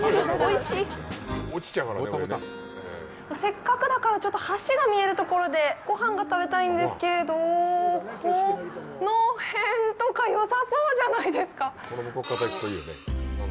せっかくだからちょっと橋が見えるところでごはんが食べたいんですですけれどこの辺とかよさそうじゃないですか？